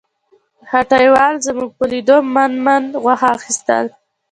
هټیوال زموږ په لیدو من من غوښه اخیستل.